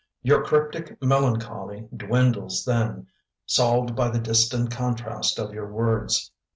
Your cryptic melancholy dwindles then, Solved by the distant contrast of your words.